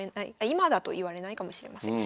今だと言われないかもしれません。